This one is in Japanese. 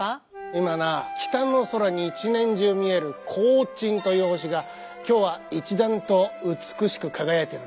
今な北の空に一年中見える勾陳という星が今日は一段と美しく輝いてるな。